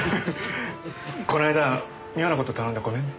この間は妙な事頼んでごめんね。